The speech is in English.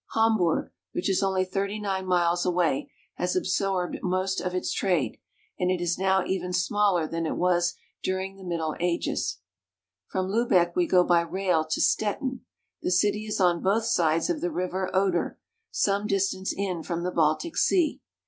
Hamburg, which is only thirty nine miles away, has absorbed most of its trade, and it is now even smaller than it was during the Middle Ages. In Stettin. From Lubeck we go by rail to Stettin. The city is on both sides of the River Oder, some distance in from the Baltic Sea.